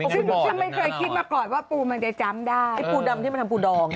ซึ่งฉันไม่เคยคิดมาก่อนว่าปูมันจะจำได้ไอ้ปูดำที่มันทำปูดอง